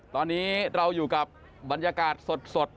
ตอนนี้เราอยู่กับบรรยากาศสด